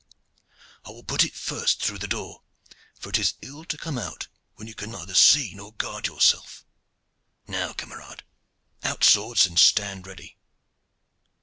I will put it first through the door; for it is ill to come out when you can neither see nor guard yourself. Now, camarades, out swords and stand ready!